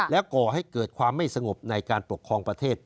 และก่อให้เกิดความไม่สงบในการปกครองประเทศ